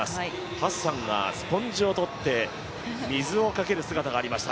ハッサンがスポンジをとって水をかける姿がありました。